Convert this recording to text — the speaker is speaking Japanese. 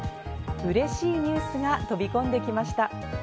うれしいニュースが飛び込んできました。